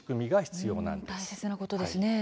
大切なことですね。